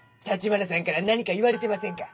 橘さんから何か言われてませんか？